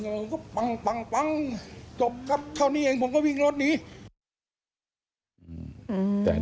ที่มันก็มีเรื่องที่ดิน